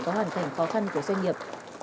có hoàn cảnh khó khăn của doanh nghiệp